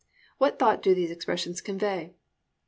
What thought do these expressions convey.